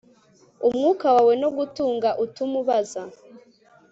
Umwuka wawe no gutanga utume ubaza